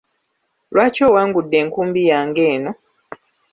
Lwaki owangudde enkumbi yange eno?